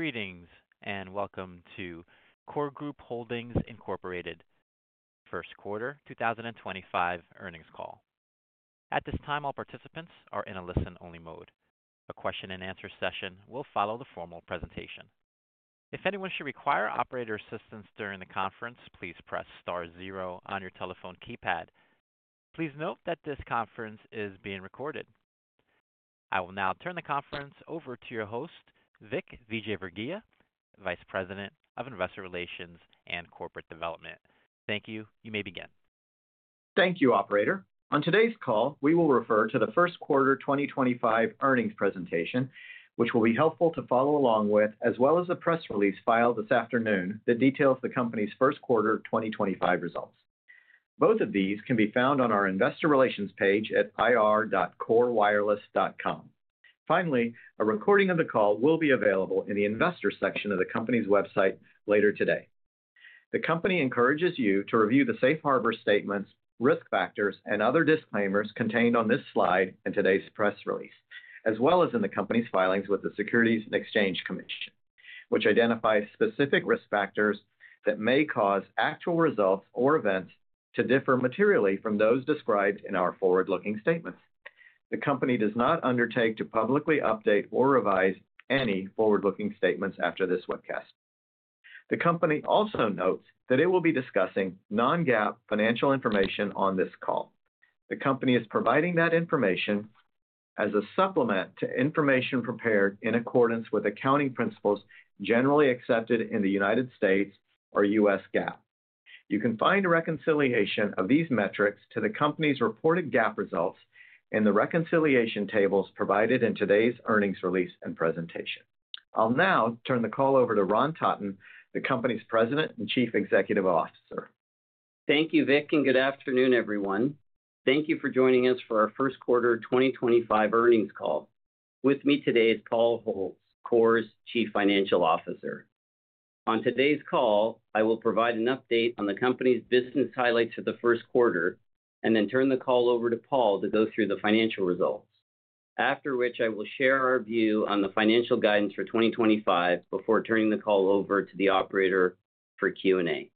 Greetings and welcome to KORE Group Holdings Inc, first quarter 2025 earnings call. At this time, all participants are in a listen-only mode. A question-and-answer session will follow the formal presentation. If anyone should require operator assistance during the conference, please press star zero on your telephone keypad. Please note that this conference is being recorded. I will now turn the conference over to your host, Vik Vijayvergiya, Vice President of Investor Relations and Corporate Development. Thank you. You may begin. Thank you, Operator. On today's call, we will refer to the first quarter 2025 earnings presentation, which will be helpful to follow along with, as well as a press release filed this afternoon that details the company's first quarter 2025 results. Both of these can be found on our Investor Relations page at ir.korewireless.com. Finally, a recording of the call will be available in the investor section of the company's website later today. The company encourages you to review the safe harbor statements, risk factors, and other disclaimers contained on this slide and today's press release, as well as in the company's filings with the Securities and Exchange Commission, which identifies specific risk factors that may cause actual results or events to differ materially from those described in our forward-looking statements. The company does not undertake to publicly update or revise any forward-looking statements after this webcast. The company also notes that it will be discussing non-GAAP financial information on this call. The company is providing that information as a supplement to information prepared in accordance with accounting principles generally accepted in the United States or U.S. GAAP. You can find a reconciliation of these metrics to the company's reported GAAP results in the reconciliation tables provided in today's earnings release and presentation. I'll now turn the call over to Ron Totton, the company's President and Chief Executive Officer. Thank you, Vik, and good afternoon, everyone. Thank you for joining us for our first quarter 2025 earnings call. With me today is Paul Holtz, KORE's Chief Financial Officer. On today's call, I will provide an update on the company's business highlights for the first quarter and then turn the call over to Paul to go through the financial results, after which I will share our view on the financial guidance for 2025 before turning the call over to the operator for Q&A.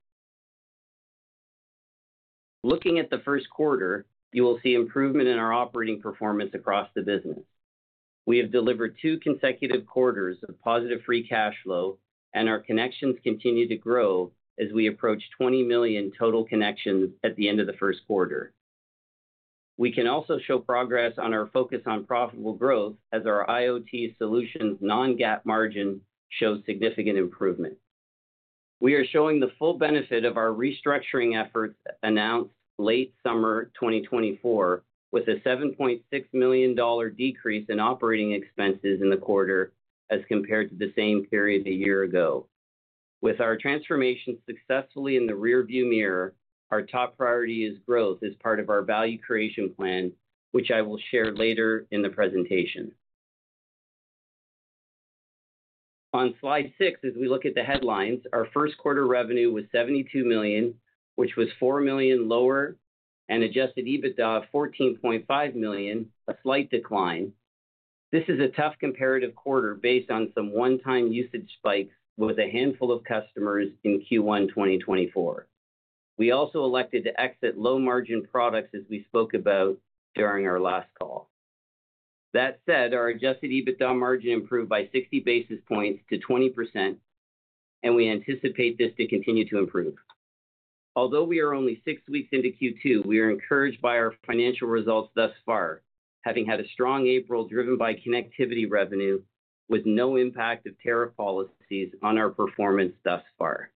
Looking at the first quarter, you will see improvement in our operating performance across the business. We have delivered two consecutive quarters of positive free cash flow, and our connections continue to grow as we approach 20 million total connections at the end of the first quarter. We can also show progress on our focus on profitable growth as our IoT solutions non-GAAP margin shows significant improvement. We are showing the full benefit of our restructuring efforts announced late summer 2024, with a $7.6 million decrease in operating expenses in the quarter as compared to the same period a year ago. With our transformation successfully in the rearview mirror, our top priority is growth as part of our value creation plan, which I will share later in the presentation. On slide six, as we look at the headlines, our first quarter revenue was $72 million, which was $4 million lower, and adjusted EBITDA of $14.5 million, a slight decline. This is a tough comparative quarter based on some one-time usage spikes with a handful of customers in Q1 2024. We also elected to exit low-margin products, as we spoke about during our last call. That said, our adjusted EBITDA margin improved by 60 basis points to 20%, and we anticipate this to continue to improve. Although we are only six weeks into Q2, we are encouraged by our financial results thus far, having had a strong April driven by connectivity revenue with no impact of tariff policies on our performance thus far.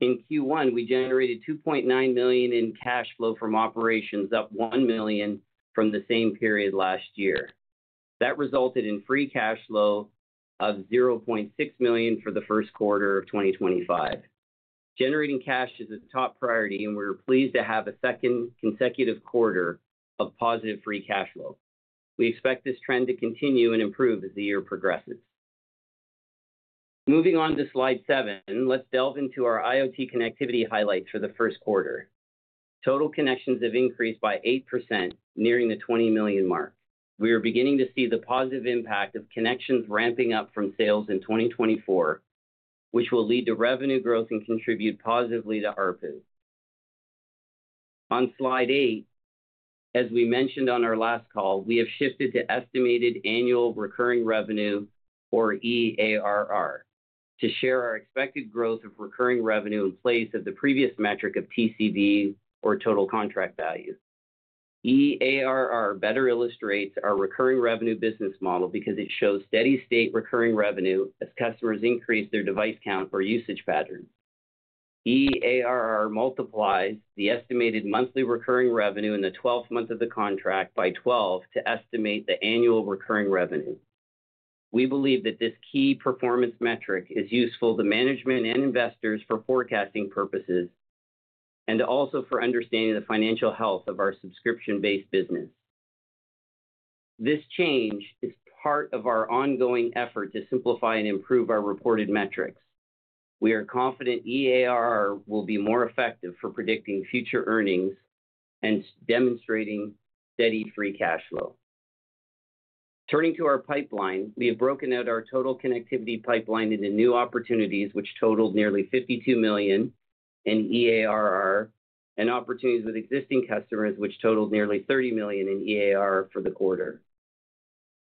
In Q1, we generated $2.9 million in cash flow from operations, up $1 million from the same period last year. That resulted in free cash flow of $0.6 million for the first quarter of 2025. Generating cash is a top priority, and we're pleased to have a second consecutive quarter of positive free cash flow. We expect this trend to continue and improve as the year progresses. Moving on to slide seven, let's delve into our IoT connectivity highlights for the first quarter. Total connections have increased by 8%, nearing the 20 million mark. We are beginning to see the positive impact of connections ramping up from sales in 2024, which will lead to revenue growth and contribute positively to ARPU. On slide eight, as we mentioned on our last call, we have shifted to estimated annual recurring revenue, or EARR, to share our expected growth of recurring revenue in place of the previous metric of TCV, or total contract value. EARR better illustrates our recurring revenue business model because it shows steady-state recurring revenue as customers increase their device count or usage patterns. EARR multiplies the estimated monthly recurring revenue in the 12th month of the contract by 12 to estimate the annual recurring revenue. We believe that this key performance metric is useful to management and investors for forecasting purposes and also for understanding the financial health of our subscription-based business. This change is part of our ongoing effort to simplify and improve our reported metrics. We are confident EARR will be more effective for predicting future earnings and demonstrating steady free cash flow. Turning to our pipeline, we have broken out our total connectivity pipeline into new opportunities, which totaled nearly $52 million in EARR, and opportunities with existing customers, which totaled nearly $30 million in EARR for the quarter.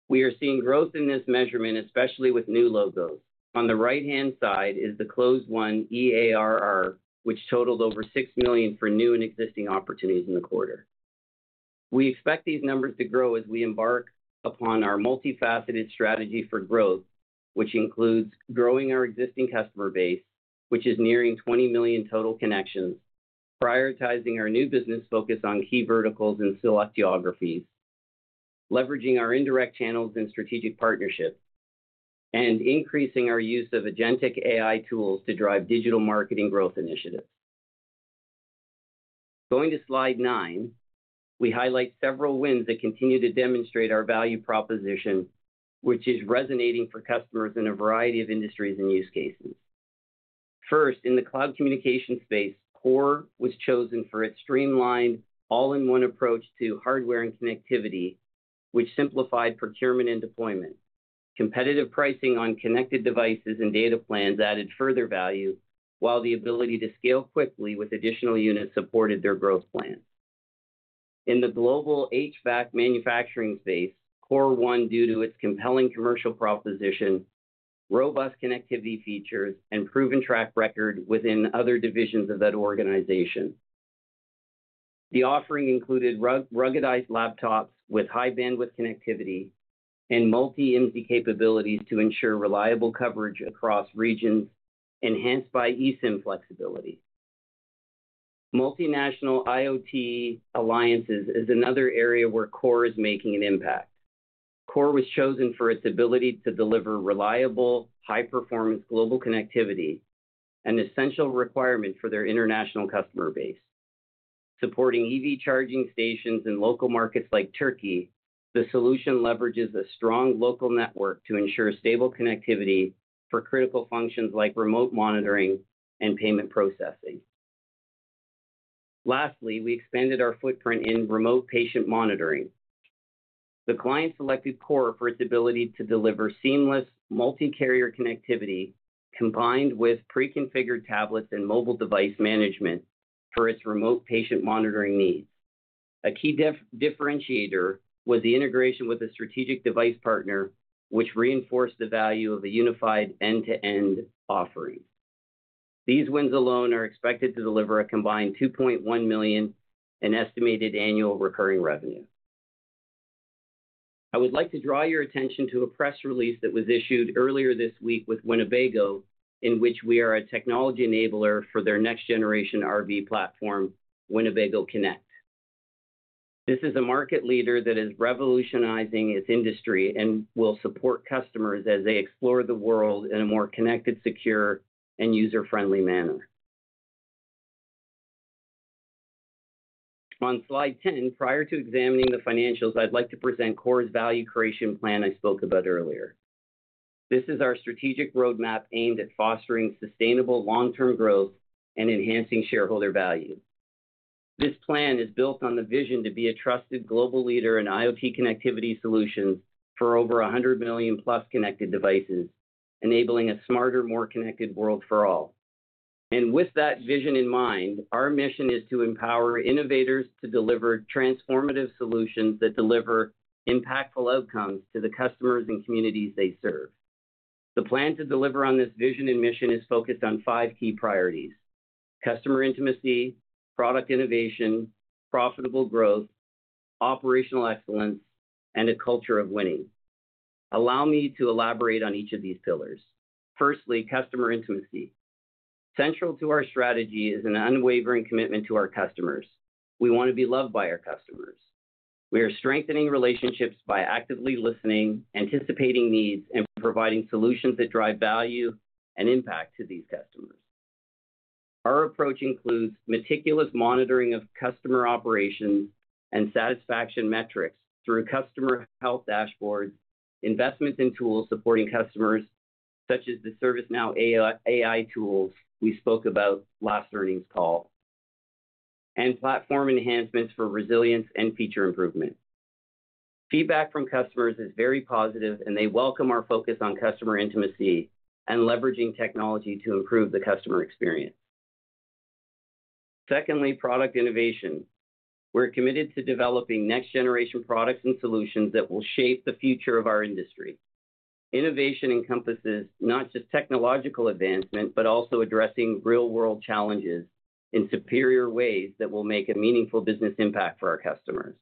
We are seeing growth in this measurement, especially with new logos. On the right-hand side is the closed won EARR, which totaled over $6 million for new and existing opportunities in the quarter. We expect these numbers to grow as we embark upon our multifaceted strategy for growth, which includes growing our existing customer base, which is nearing $20 million total connections, prioritizing our new business focus on key verticals and select geographies, leveraging our indirect channels and strategic partnerships, and increasing our use of agentic AI tools to drive digital marketing growth initiatives. Going to slide nine, we highlight several wins that continue to demonstrate our value proposition, which is resonating for customers in a variety of industries and use cases. First, in the cloud communication space, KORE was chosen for its streamlined, all-in-one approach to hardware and connectivity, which simplified procurement and deployment. Competitive pricing on connected devices and data plans added further value, while the ability to scale quickly with additional units supported their growth plans. In the global HVAC manufacturing space, KORE won due to its compelling commercial proposition, robust connectivity features, and proven track record within other divisions of that organization. The offering included ruggedized laptops with high-bandwidth connectivity and multi-IMSI capabilities to ensure reliable coverage across regions, enhanced by eSIM flexibility. Multinational IoT alliances is another area where KORE is making an impact. KORE was chosen for its ability to deliver reliable, high-performance global connectivity, an essential requirement for their international customer base. Supporting EV charging stations in local markets like Turkey, the solution leverages a strong local network to ensure stable connectivity for critical functions like remote monitoring and payment processing. Lastly, we expanded our footprint in remote patient monitoring. The client selected KORE for its ability to deliver seamless multi-carrier connectivity, combined with pre-configured tablets and mobile device management for its remote patient monitoring needs. A key differentiator was the integration with a strategic device partner, which reinforced the value of a unified end-to-end offering. These wins alone are expected to deliver a combined $2.1 million in estimated annual recurring revenue. I would like to draw your attention to a press release that was issued earlier this week with Winnebago, in which we are a technology enabler for their next-generation RV platform, Winnebago Connect. This is a market leader that is revolutionizing its industry and will support customers as they explore the world in a more connected, secure, and user-friendly manner. On slide ten, prior to examining the financials, I'd like to present KORE's value creation plan I spoke about earlier. This is our strategic roadmap aimed at fostering sustainable long-term growth and enhancing shareholder value. This plan is built on the vision to be a trusted global leader in IoT connectivity solutions for over 100 million plus connected devices, enabling a smarter, more connected world for all. With that vision in mind, our mission is to empower innovators to deliver transformative solutions that deliver impactful outcomes to the customers and communities they serve. The plan to deliver on this vision and mission is focused on five key priorities: customer intimacy, product innovation, profitable growth, operational excellence, and a culture of winning. Allow me to elaborate on each of these pillars. Firstly, customer intimacy. Central to our strategy is an unwavering commitment to our customers. We want to be loved by our customers. We are strengthening relationships by actively listening, anticipating needs, and providing solutions that drive value and impact to these customers. Our approach includes meticulous monitoring of customer operations and satisfaction metrics through customer health dashboards, investments in tools supporting customers, such as the ServiceNow AI tools we spoke about last earnings call, and platform enhancements for resilience and feature improvement. Feedback from customers is very positive, and they welcome our focus on customer intimacy and leveraging technology to improve the customer experience. Secondly, product innovation. We're committed to developing next-generation products and solutions that will shape the future of our industry. Innovation encompasses not just technological advancement, but also addressing real-world challenges in superior ways that will make a meaningful business impact for our customers.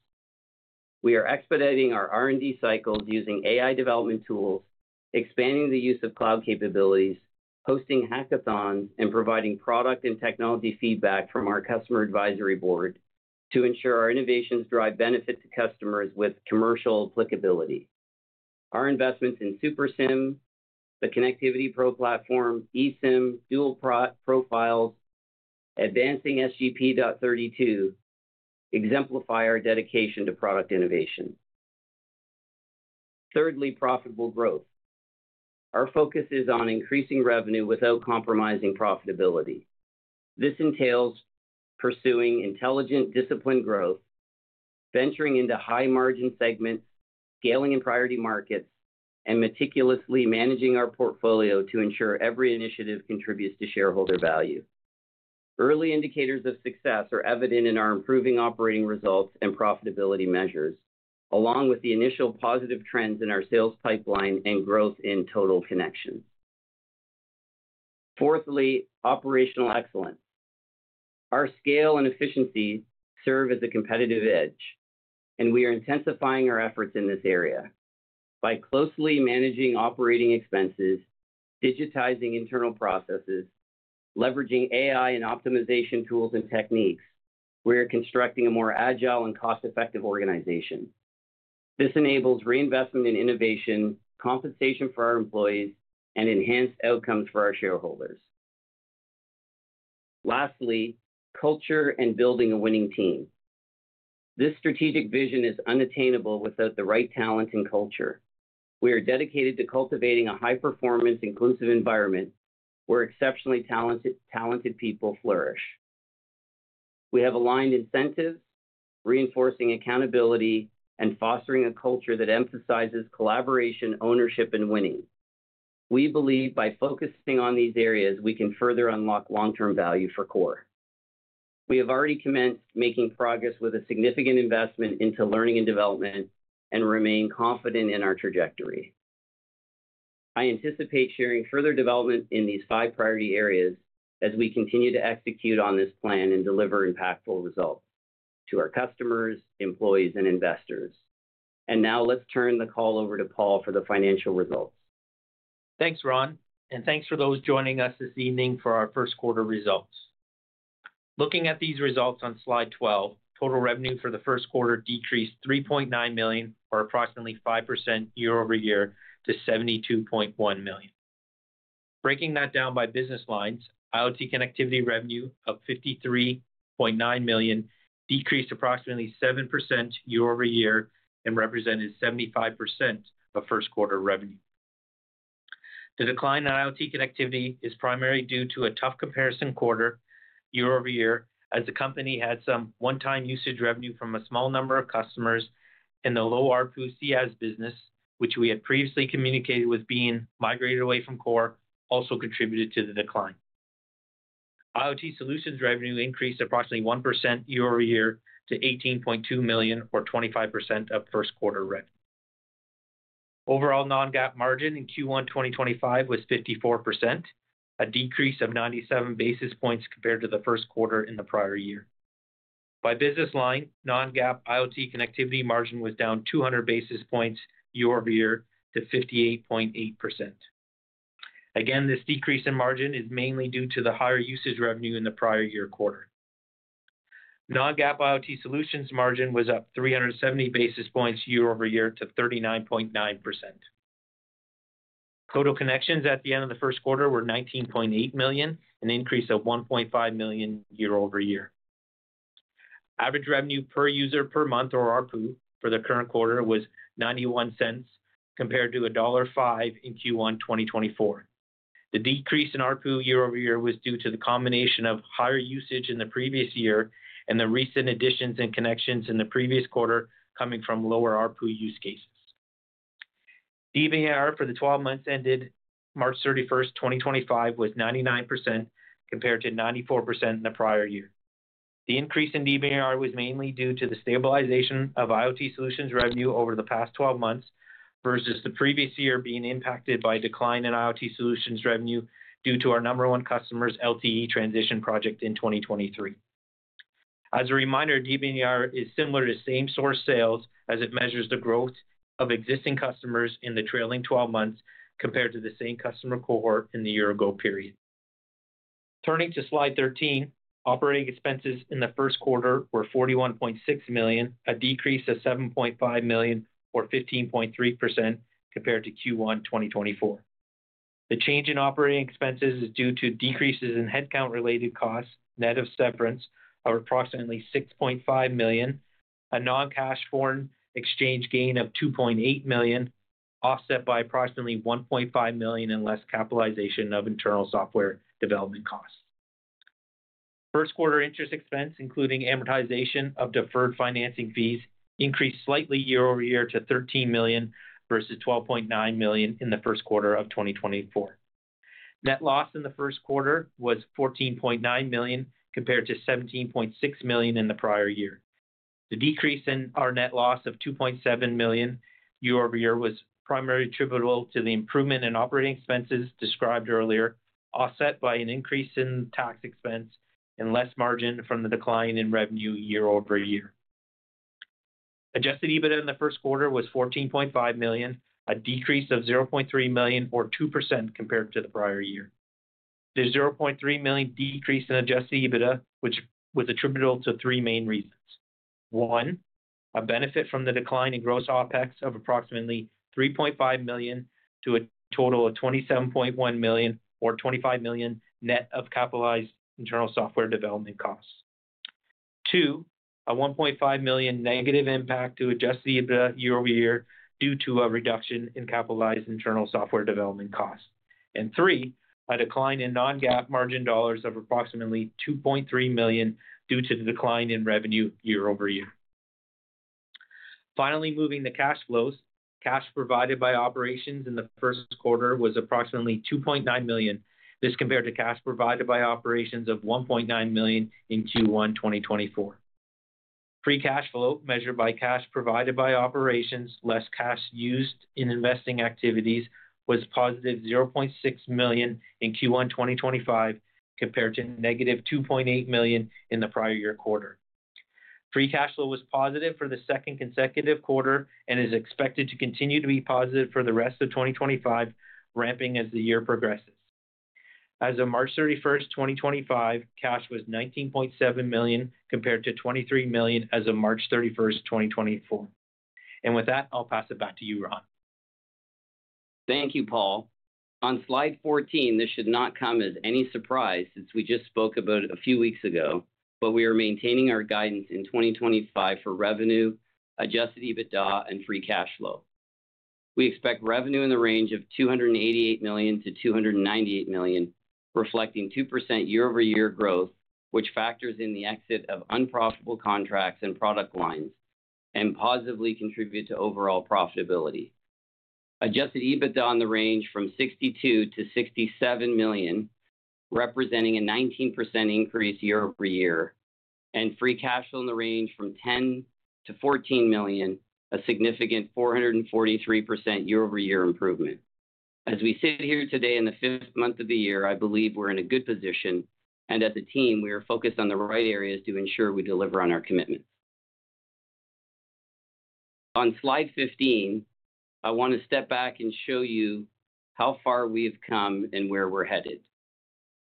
We are expediting our R&D cycles using AI development tools, expanding the use of cloud capabilities, hosting hackathons, and providing product and technology feedback from our customer advisory board to ensure our innovations drive benefit to customers with commercial applicability. Our investments in SuperSIM, the Connectivity Pro platform, eSIM, dual profiles, advancing SGP.32 exemplify our dedication to product innovation. Thirdly, profitable growth. Our focus is on increasing revenue without compromising profitability. This entails pursuing intelligent, disciplined growth, venturing into high-margin segments, scaling in priority markets, and meticulously managing our portfolio to ensure every initiative contributes to shareholder value. Early indicators of success are evident in our improving operating results and profitability measures, along with the initial positive trends in our sales pipeline and growth in total connections. Fourthly, operational excellence. Our scale and efficiency serve as a competitive edge, and we are intensifying our efforts in this area by closely managing operating expenses, digitizing internal processes, leveraging AI and optimization tools and techniques. We are constructing a more agile and cost-effective organization. This enables reinvestment in innovation, compensation for our employees, and enhanced outcomes for our shareholders. Lastly, culture and building a winning team. This strategic vision is unattainable without the right talent and culture. We are dedicated to cultivating a high-performance, inclusive environment where exceptionally talented people flourish. We have aligned incentives, reinforcing accountability, and fostering a culture that emphasizes collaboration, ownership, and winning. We believe by focusing on these areas, we can further unlock long-term value for KORE. We have already commenced making progress with a significant investment into learning and development and remain confident in our trajectory. I anticipate sharing further development in these five priority areas as we continue to execute on this plan and deliver impactful results to our customers, employees, and investors. Now let's turn the call over to Paul for the financial results. Thanks, Ron, and thanks for those joining us this evening for our first quarter results. Looking at these results on slide 12, total revenue for the first quarter decreased $3.9 million, or approximately 5% year-over-year, to $72.1 million. Breaking that down by business lines, IoT connectivity revenue of $53.9 million decreased approximately 7% year-over-year and represented 75% of first quarter revenue. The decline in IoT connectivity is primarily due to a tough comparison quarter year-over-year, as the company had some one-time usage revenue from a small number of customers in the low ARPU CIS business, which we had previously communicated was being migrated away from KORE, also contributed to the decline. IoT solutions revenue increased approximately 1% year-over-year to $18.2 million, or 25% of first quarter revenue. Overall non-GAAP margin in Q1 2025 was 54%, a decrease of 97 basis points compared to the first quarter in the prior year. By business line, non-GAAP IoT connectivity margin was down 200 basis points year-over-year to 58.8%. Again, this decrease in margin is mainly due to the higher usage revenue in the prior year quarter. Non-GAAP IoT solutions margin was up 370 basis points year-over-year to 39.9%. Total connections at the end of the first quarter were $19.8 million, an increase of $1.5 million year-over-year. Average revenue per user per month, or ARPU, for the current quarter was $0.91 compared to $1.05 in Q1 2024. The decrease in ARPU year-over-year was due to the combination of higher usage in the previous year and the recent additions and connections in the previous quarter coming from lower ARPU use cases. DBIR for the 12 months ended March 31, 2025, was 99% compared to 94% in the prior year. The increase in DBIR was mainly due to the stabilization of IoT solutions revenue over the past 12 months versus the previous year being impacted by a decline in IoT solutions revenue due to our number one customer's LTE transition project in 2023. As a reminder, DBIR is similar to same-source sales as it measures the growth of existing customers in the trailing 12 months compared to the same customer cohort in the year-ago period. Turning to slide 13, operating expenses in the first quarter were $41.6 million, a decrease of $7.5 million, or 15.3% compared to Q1 2024. The change in operating expenses is due to decreases in headcount-related costs, net of severance, of approximately $6.5 million, a non-cash foreign exchange gain of $2.8 million, offset by approximately $1.5 million in less capitalization of internal software development costs. First quarter interest expense, including amortization of deferred financing fees, increased slightly year-over-year to $13 million versus $12.9 million in the first quarter of 2024. Net loss in the first quarter was $14.9 million compared to $17.6 million in the prior year. The decrease in our net loss of $2.7 million year-over-year was primarily attributable to the improvement in operating expenses described earlier, offset by an increase in tax expense and less margin from the decline in revenue year-over-year. Adjusted EBITDA in the first quarter was $14.5 million, a decrease of $0.3 million, or 2% compared to the prior year. The $0.3 million decrease in adjusted EBITDA was attributable to three main reasons. One, a benefit from the decline in gross OpEx of approximately $3.5 million to a total of $27.1 million, or $25 million net of capitalized internal software development costs. Two, a $1.5 million negative impact to adjusted EBITDA year-over-year due to a reduction in capitalized internal software development costs. Three, a decline in non-GAAP margin dollars of approximately $2.3 million due to the decline in revenue year-over-year. Finally, moving to cash flows. Cash provided by operations in the first quarter was approximately $2.9 million. This compared to cash provided by operations of $1.9 million in Q1 2024. Free cash flow measured by cash provided by operations less cash used in investing activities was positive $0.6 million in Q1 2025 compared to negative $2.8 million in the prior year quarter. Free cash flow was positive for the second consecutive quarter and is expected to continue to be positive for the rest of 2025, ramping as the year progresses. As of March 31, 2025, cash was $19.7 million compared to $23 million as of March 31, 2024. With that, I'll pass it back to you, Ron. Thank you, Paul. On slide 14, this should not come as any surprise since we just spoke about it a few weeks ago, but we are maintaining our guidance in 2025 for revenue, adjusted EBITDA, and free cash flow. We expect revenue in the range of $288 million-$298 million, reflecting 2% year-over-year growth, which factors in the exit of unprofitable contracts and product lines and positively contributes to overall profitability. Adjusted EBITDA in the range from $62 million-$67 million, representing a 19% increase year-over-year, and free cash flow in the range from $10 million-$14 million, a significant 443% year-over-year improvement. As we sit here today in the fifth month of the year, I believe we're in a good position, and as a team, we are focused on the right areas to ensure we deliver on our commitments. On slide 15, I want to step back and show you how far we have come and where we're headed.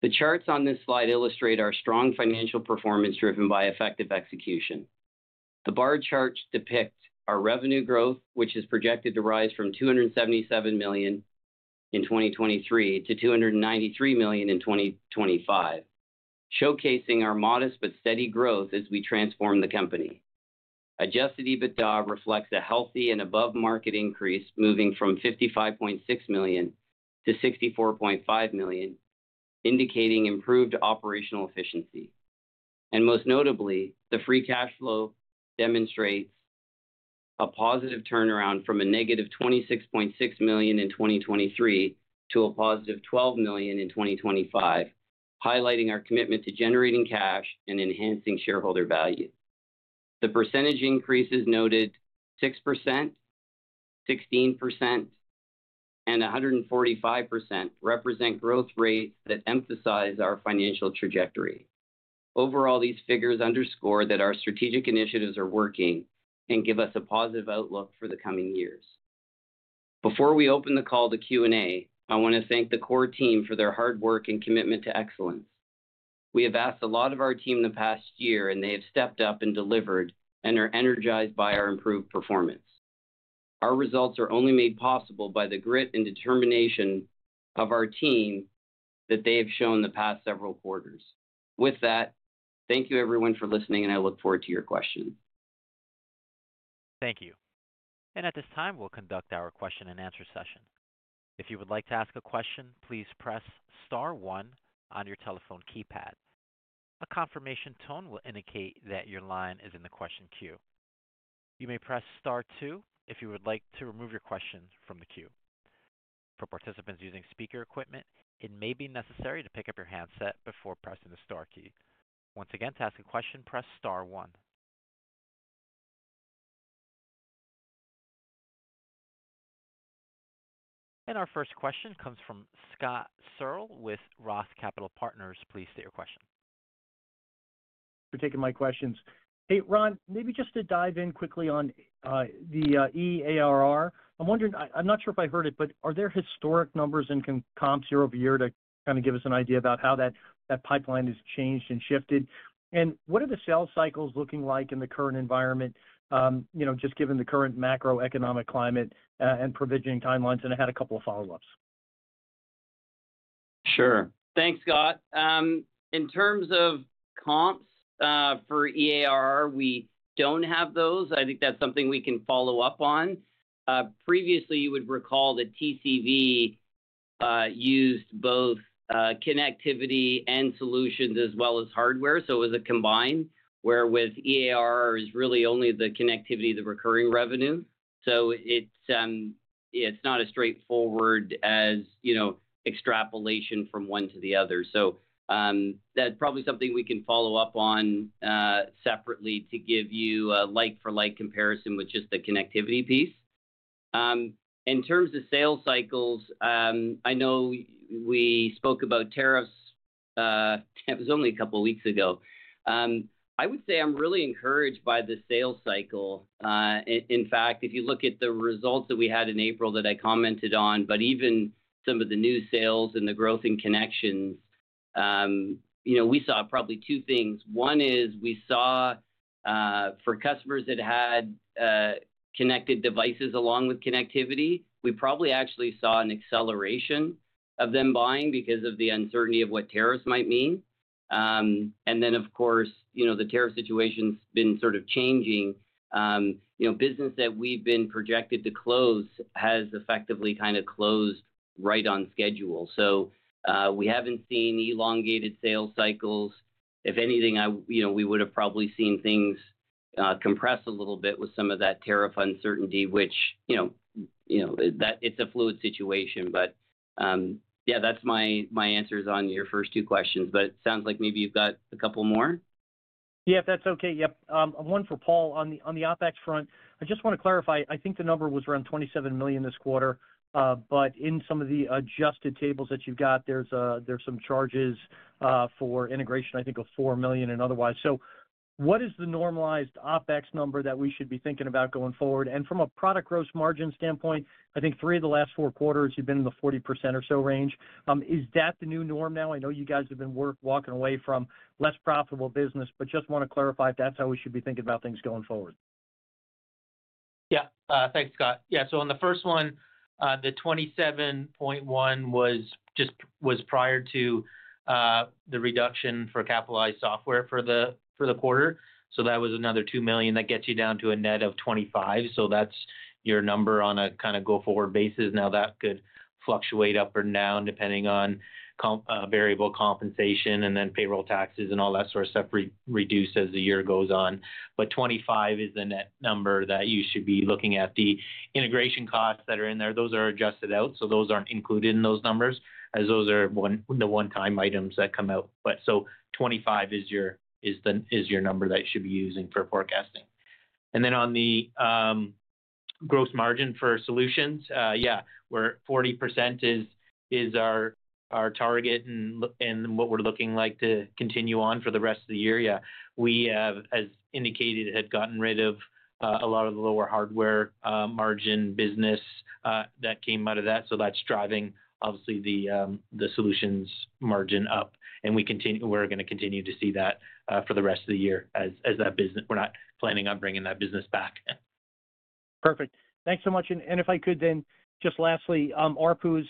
The charts on this slide illustrate our strong financial performance driven by effective execution. The bar charts depict our revenue growth, which is projected to rise from $277 million in 2023 to $293 million in 2025, showcasing our modest but steady growth as we transform the company. Adjusted EBITDA reflects a healthy and above-market increase, moving from $55.6 million to $64.5 million, indicating improved operational efficiency. Most notably, the free cash flow demonstrates a positive turnaround from -$26.6 million in 2023 to +$12 million in 2025, highlighting our commitment to generating cash and enhancing shareholder value. The percentage increases noted 6%, 16%, and 145% represent growth rates that emphasize our financial trajectory. Overall, these figures underscore that our strategic initiatives are working and give us a positive outlook for the coming years. Before we open the call to Q&A, I want to thank the KORE team for their hard work and commitment to excellence. We have asked a lot of our team the past year, and they have stepped up and delivered and are energized by our improved performance. Our results are only made possible by the grit and determination of our team that they have shown the past several quarters. With that, thank you, everyone, for listening, and I look forward to your questions. Thank you. At this time, we'll conduct our question-and-answer session. If you would like to ask a question, please press Star one on your telephone keypad. A confirmation tone will indicate that your line is in the question queue. You may press Star two if you would like to remove your question from the queue. For participants using speaker equipment, it may be necessary to pick up your handset before pressing the Star key. Once again, to ask a question, press Star one. Our first question comes from Scott Searle with Roth Capital Partners. Please state your question. For taking my questions. Hey, Ron, maybe just to dive in quickly on the EARR. I'm not sure if I heard it, but are there historic numbers in comps year-over-year to kind of give us an idea about how that pipeline has changed and shifted? What are the sales cycles looking like in the current environment, just given the current macroeconomic climate and provisioning timelines? I had a couple of follow-ups. Sure. Thanks, Scott. In terms of comps for EARR, we don't have those. I think that's something we can follow up on. Previously, you would recall that TCV used both connectivity and solutions as well as hardware, so it was a combine, where with EARR, it's really only the connectivity, the recurring revenue. It's not as straightforward as extrapolation from one to the other. That's probably something we can follow up on separately to give you a like-for-like comparison with just the connectivity piece. In terms of sales cycles, I know we spoke about tariffs. It was only a couple of weeks ago. I would say I'm really encouraged by the sales cycle. In fact, if you look at the results that we had in April that I commented on, but even some of the new sales and the growth in connections, we saw probably two things. One is we saw for customers that had connected devices along with connectivity, we probably actually saw an acceleration of them buying because of the uncertainty of what tariffs might mean. Of course, the tariff situation's been sort of changing. Business that we've been projected to close has effectively kind of closed right on schedule. We haven't seen elongated sales cycles. If anything, we would have probably seen things compress a little bit with some of that tariff uncertainty, which it's a fluid situation. But yeah, that's my answers on your first two questions. It sounds like maybe you've got a couple more. Yeah, if that's okay. Yep. One for Paul. On the OpEx front, I just want to clarify. I think the number was around $27 million this quarter. In some of the adjusted tables that you've got, there's some charges for integration, I think, of $4 million and otherwise. What is the normalized OpEx number that we should be thinking about going forward? From a product gross margin standpoint, I think three of the last four quarters, you've been in the 40% or so range. Is that the new norm now? I know you guys have been walking away from less profitable business, but just want to clarify if that's how we should be thinking about things going forward. Yeah. Thanks, Scott. Yeah. On the first one, the $27.1 million was prior to the reduction for capitalized software for the quarter. That was another $2 million. That gets you down to a net of $25 million. That is your number on a kind of go-forward basis. Now, that could fluctuate up or down depending on variable compensation and then payroll taxes and all that sort of stuff reduce as the year goes on. $25 million is the net number that you should be looking at. The integration costs that are in there, those are adjusted out, so those are not included in those numbers as those are the one-time items that come out. $25 million is your number that you should be using for forecasting. On the gross margin for solutions, yeah, where 40% is our target and what we're looking like to continue on for the rest of the year, yeah, we have, as indicated, had gotten rid of a lot of the lower hardware margin business that came out of that. That is driving, obviously, the solutions margin up. We are going to continue to see that for the rest of the year as we are not planning on bringing that business back. Perfect. Thanks so much. If I could, then just lastly, ARPUs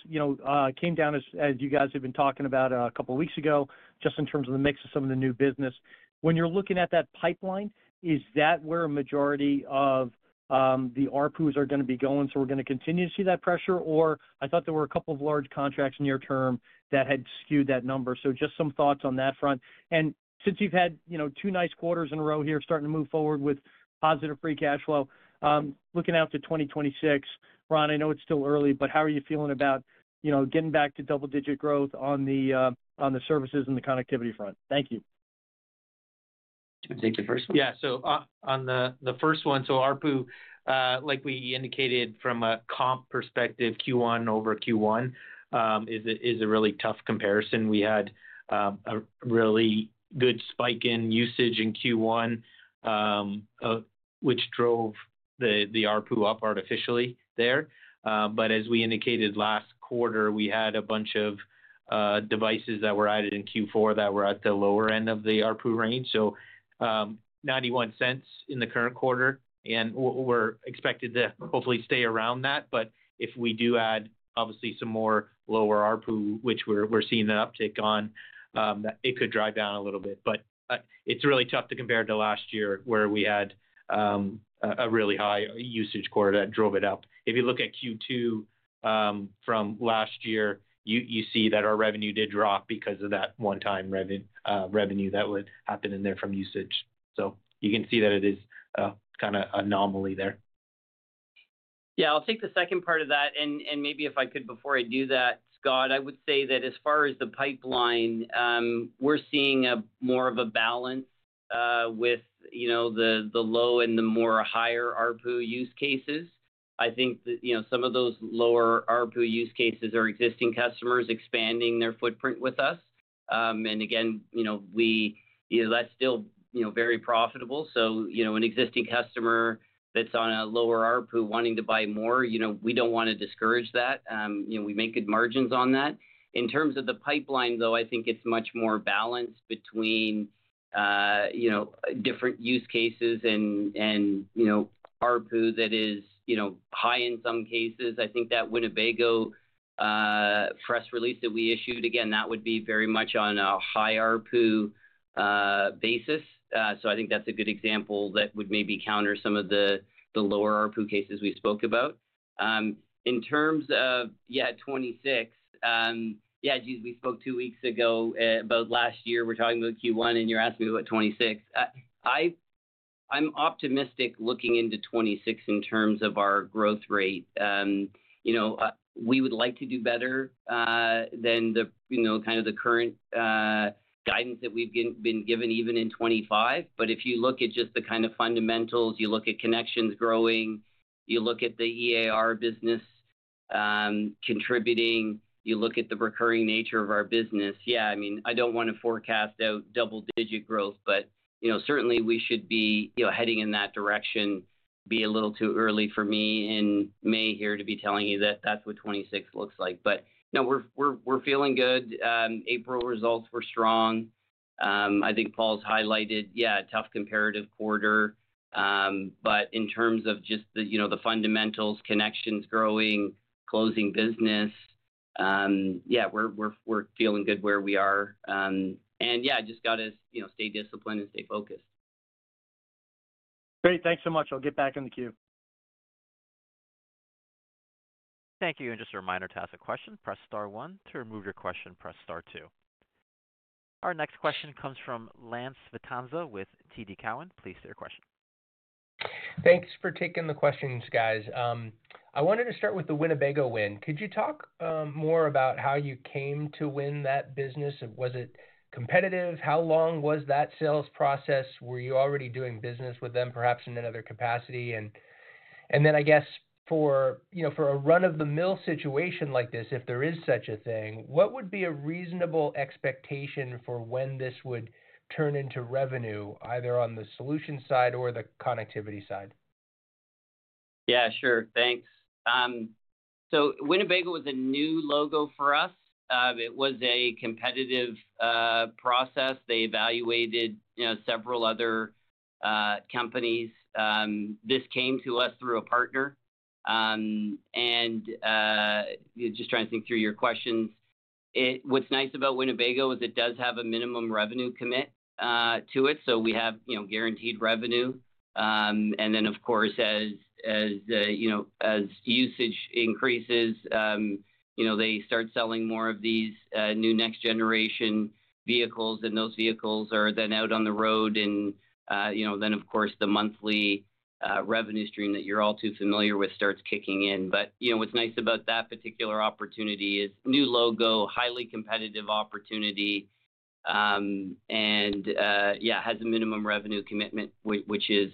came down, as you guys have been talking about a couple of weeks ago, just in terms of the mix of some of the new business. When you are looking at that pipeline, is that where a majority of the ARPUs are going to be going? We're going to continue to see that pressure. I thought there were a couple of large contracts near term that had skewed that number. Just some thoughts on that front. Since you've had two nice quarters in a row here, starting to move forward with positive free cash flow, looking out to 2026, Ron, I know it's still early, but how are you feeling about getting back to double-digit growth on the services and the connectivity front? Thank you. Do you want to take the first one? Yeah. On the first one, ARPU, like we indicated from a comp perspective, Q1 over Q1 is a really tough comparison. We had a really good spike in usage in Q1, which drove the ARPU up artificially there. As we indicated last quarter, we had a bunch of devices that were added in Q4 that were at the lower end of the ARPU range. So $0.91 in the current quarter, and we're expected to hopefully stay around that. If we do add, obviously, some more lower ARPU, which we're seeing an uptick on, it could drive down a little bit. It's really tough to compare to last year, where we had a really high usage quarter that drove it up. If you look at Q2 from last year, you see that our revenue did drop because of that one-time revenue that would happen in there from usage. You can see that it is kind of an anomaly there. Yeah. I'll take the second part of that. Maybe if I could, before I do that, Scott, I would say that as far as the pipeline, we're seeing more of a balance with the low and the more higher ARPU use cases. I think some of those lower ARPU use cases are existing customers expanding their footprint with us. Again, that's still very profitable. An existing customer that's on a lower ARPU wanting to buy more, we don't want to discourage that. We make good margins on that. In terms of the pipeline, though, I think it's much more balanced between different use cases and ARPU that is high in some cases. I think that Winnebago press release that we issued, again, that would be very much on a high ARPU basis. I think that's a good example that would maybe counter some of the lower ARPU cases we spoke about. In terms of, yeah, 2026, yeah, geez, we spoke two weeks ago about last year. We're talking about Q1, and you're asking me about 2026. I'm optimistic looking into 2026 in terms of our growth rate. We would like to do better than kind of the current guidance that we've been given even in 2025. If you look at just the kind of fundamentals, you look at connections growing, you look at the EARR business contributing, you look at the recurring nature of our business, yeah, I mean, I don't want to forecast out double-digit growth, but certainly, we should be heading in that direction. It is a little too early for me in May here to be telling you that that's what 2026 looks like. No, we're feeling good. April results were strong. I think Paul has highlighted, yeah, a tough comparative quarter. In terms of just the fundamentals, connections growing, closing business, yeah, we're feeling good where we are. Yeah, just got to stay disciplined and stay focused. Great. Thanks so much. I'll get back in the queue. Thank you. Just a reminder to ask a question, press Star one. To remove your question, press Star two. Our next question comes from Lance Vitanza with TD Cowen. Please state your question. Thanks for taking the questions, guys. I wanted to start with the Winnebago win. Could you talk more about how you came to win that business? Was it competitive? How long was that sales process? Were you already doing business with them, perhaps in another capacity? I guess for a run-of-the-mill situation like this, if there is such a thing, what would be a reasonable expectation for when this would turn into revenue, either on the solution side or the connectivity side? Yeah, sure. Thanks. Winnebago was a new logo for us. It was a competitive process. They evaluated several other companies. This came to us through a partner. Just trying to think through your questions. What's nice about Winnebago is it does have a minimum revenue commit to it. We have guaranteed revenue. Of course, as usage increases, they start selling more of these new next-generation vehicles, and those vehicles are then out on the road. Of course, the monthly revenue stream that you're all too familiar with starts kicking in. What's nice about that particular opportunity is new logo, highly competitive opportunity, and yeah, has a minimum revenue commitment, which is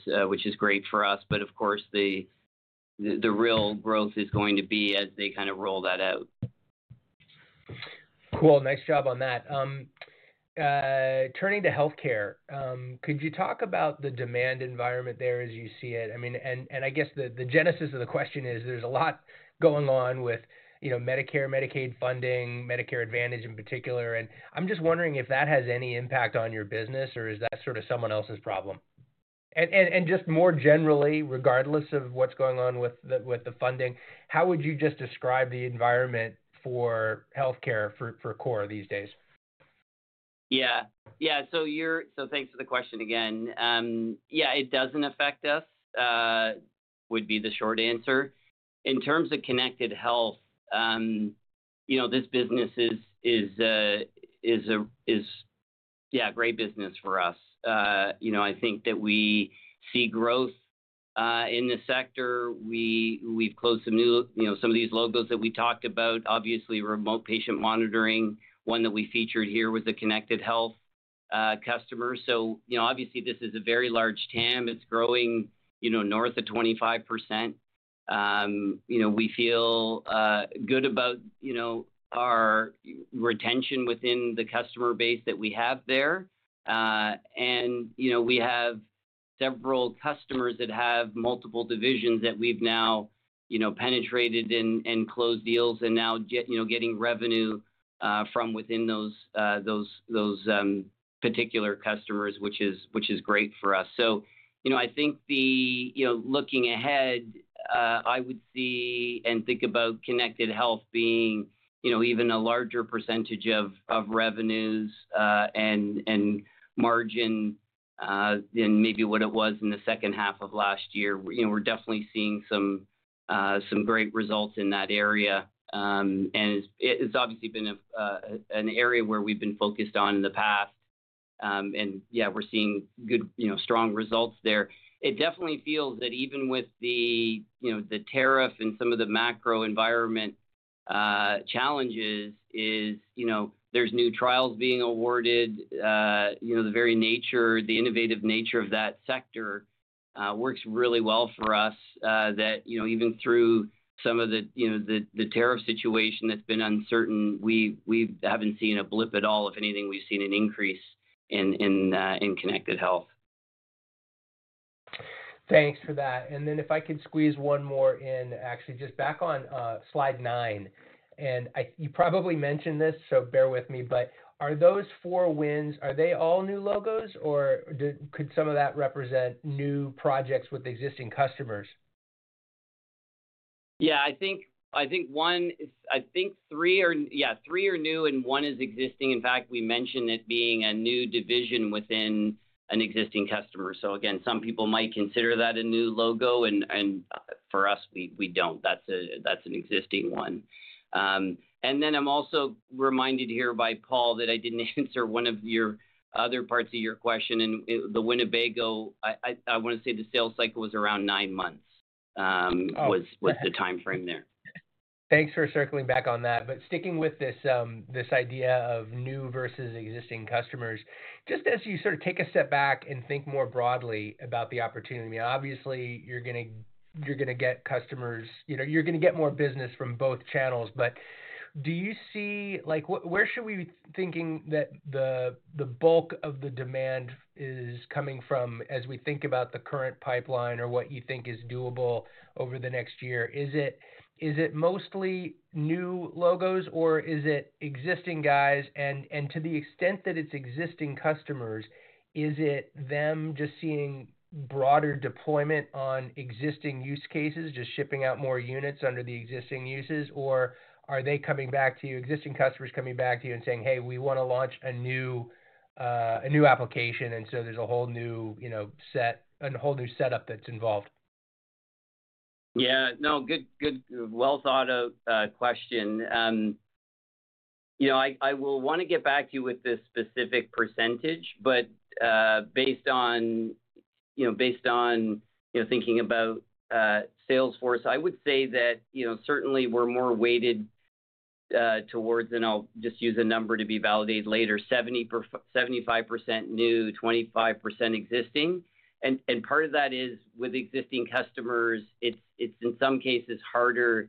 great for us. Of course, the real growth is going to be as they kind of roll that out. Cool. Nice job on that. Turning to healthcare, could you talk about the demand environment there as you see it? I mean, I guess the genesis of the question is there's a lot going on with Medicare, Medicaid funding, Medicare Advantage in particular. I'm just wondering if that has any impact on your business, or is that sort of someone else's problem? Just more generally, regardless of what's going on with the funding, how would you just describe the environment for healthcare for KORE these days? Yeah. Yeah. Thanks for the question again. Yeah, it doesn't affect us would be the short answer. In terms of connected health, this business is, yeah, great business for us. I think that we see growth in the sector. We've closed some of these logos that we talked about. Obviously, remote patient monitoring, one that we featured here was a connected health customer. Obviously, this is a very large TAM. It's growing north of 25%. We feel good about our retention within the customer base that we have there. We have several customers that have multiple divisions that we've now penetrated and closed deals and now getting revenue from within those particular customers, which is great for us. I think looking ahead, I would see and think about connected health being even a larger percentage of revenues and margin than maybe what it was in the second half of last year. We're definitely seeing some great results in that area. It is obviously been an area where we have been focused on in the past. Yeah, we are seeing good, strong results there. It definitely feels that even with the tariff and some of the macro environment challenges, there are new trials being awarded. The very nature, the innovative nature of that sector works really well for us that even through some of the tariff situation that has been uncertain, we have not seen a blip at all. If anything, we have seen an increase in connected health. Thanks for that. If I could squeeze one more in, actually, just back on slide nine. You probably mentioned this, so bear with me. Are those four wins all new logos, or could some of that represent new projects with existing customers? Yeah. I think one, I think three are new, and one is existing. In fact, we mentioned it being a new division within an existing customer. Again, some people might consider that a new logo. For us, we don't. That's an existing one. I'm also reminded here by Paul that I didn't answer one of your other parts of your question. The Winnebago, I want to say the sales cycle was around nine months was the timeframe there. Thanks for circling back on that. Sticking with this idea of new versus existing customers, just as you sort of take a step back and think more broadly about the opportunity, I mean, obviously, you're going to get customers, you're going to get more business from both channels. Do you see where should we be thinking that the bulk of the demand is coming from as we think about the current pipeline or what you think is doable over the next year? Is it mostly new logos, or is it existing guys? To the extent that it's existing customers, is it them just seeing broader deployment on existing use cases, just shipping out more units under the existing uses, or are they coming back to you, existing customers coming back to you and saying, "Hey, we want to launch a new application," and so there's a whole new set and a whole new setup that's involved? Yeah. No, good, well-thought-out question. I will want to get back to you with this specific percentage. Based on thinking about Salesforce, I would say that certainly we're more weighted towards, and I'll just use a number to be validated later, 75% new, 25% existing. Part of that is with existing customers, it's in some cases harder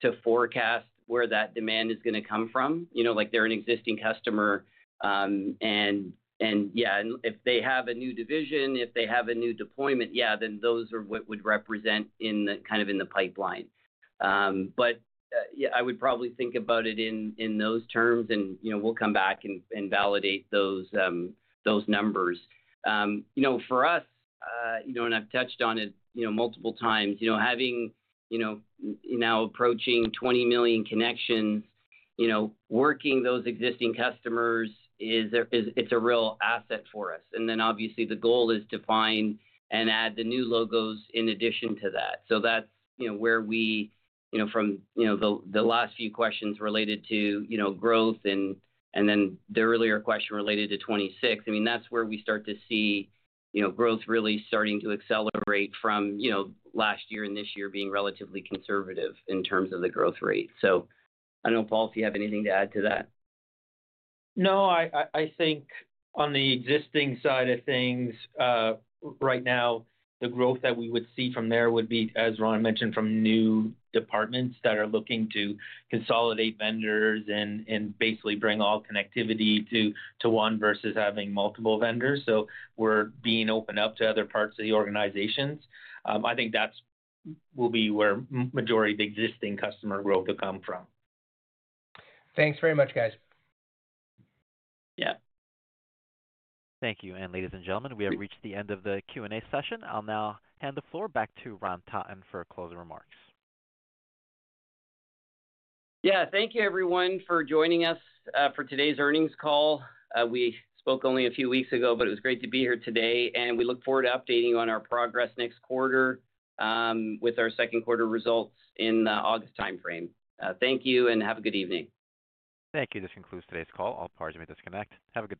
to forecast where that demand is going to come from. They're an existing customer. Yeah, if they have a new division, if they have a new deployment, yeah, then those are what would represent kind of in the pipeline. I would probably think about it in those terms, and we'll come back and validate those numbers. For us, and I've touched on it multiple times, having now approaching 20 million connections, working those existing customers, it's a real asset for us. Obviously, the goal is to find and add the new logos in addition to that. That's where we, from the last few questions related to growth and then the earlier question related to 2026, I mean, that's where we start to see growth really starting to accelerate from last year and this year being relatively conservative in terms of the growth rate. I don't know, Paul, if you have anything to add to that. No, I think on the existing side of things, right now, the growth that we would see from there would be, as Ron mentioned, from new departments that are looking to consolidate vendors and basically bring all connectivity to one versus having multiple vendors. We're being opened up to other parts of the organizations. I think that will be where the majority of existing customer growth will come from. Thanks very much, guys. Yeah. Thank you. Ladies and gentlemen, we have reached the end of the Q&A session. I'll now hand the floor back to Ron Totton for closing remarks. Yeah. Thank you, everyone, for joining us for today's earnings call. We spoke only a few weeks ago, but it was great to be here today. We look forward to updating you on our progress next quarter with our second quarter results in the August timeframe. Thank you, and have a good evening. Thank you. This concludes today's call. I'll pause my disconnect. Have a good.